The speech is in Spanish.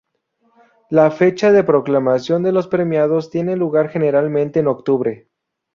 La fecha de proclamación de los premiados tiene lugar generalmente en octubre.